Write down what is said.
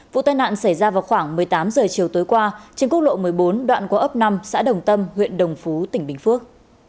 vụ tai nạn xảy ra vào khoảng một mươi tám h chiều tối qua trên quốc lộ một mươi bốn đoạn của ấp năm xã đồng tâm huyện đồng phú tỉnh bình phước